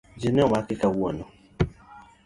Ji ne omaki kawuono.